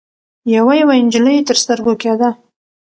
يوه يوه نجلۍ تر سترګو کېده.